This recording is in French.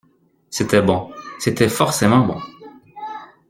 C’était bon. C’était forcément bon.